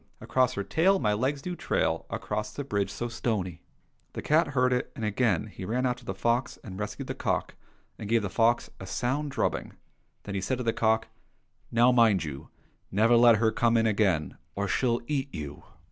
Across her tail My legs do trail Along the bridge so stony I *' The cat heard it, and again he ran after the fox and rescued the cock, and gave the fox a sound drubbing. Then he said to the cock, " Now, mind you never let her come in again, or she'll eat you."